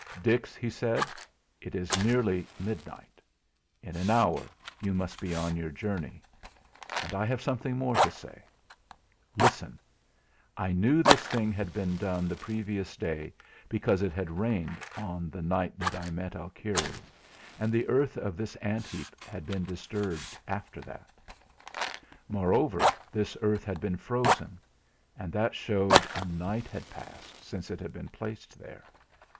"Dix," he said, "it is nearly midnight; in an hour you must be on your journey, and I have something more to say. Listen! I knew this thing had been done the previous day because it had rained on the night that I met Alkire, and the earth of this ant heap had been disturbed after that. Moreover, this earth had been frozen, and that showed a night had passed since it had been placed there.